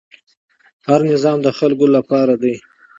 هر نظام د خلکو لپاره دی